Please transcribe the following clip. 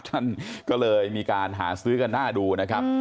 ท่านก็เลยมีการหาซื้อกันหน้าดูนะครับ